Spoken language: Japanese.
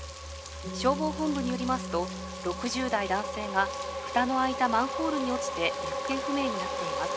消ぼう本部によりますと６０代男せいがふたのあいたマンホールに落ちて行方ふ明になっています」。